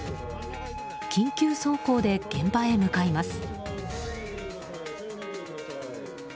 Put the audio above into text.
緊急走行で現場へ向かいます。